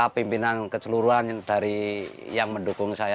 pimpinan keseluruhan dari yang mendukung saya